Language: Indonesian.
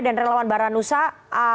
dan relawan baranusa